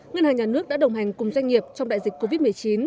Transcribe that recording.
ngân hàng nhà nước đã đồng hành cùng doanh nghiệp trong đại dịch covid một mươi chín